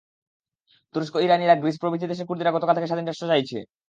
তুরস্ক, Iran, Iraq, Greece প্রভৃতি দেশের কুর্দিরা কতকাল থেকে স্বাধীন রাষ্ট্র চাইছে।